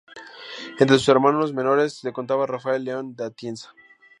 Entre sus hermanos menores se contaba Rafael León de Atienza.